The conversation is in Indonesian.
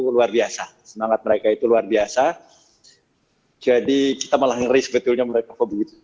luar biasa semangat mereka itu luar biasa jadi kita malah ngeri sebetulnya mereka kok begitu